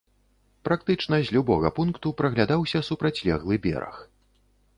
Практычна з любога пункту праглядаўся супрацьлеглы бераг.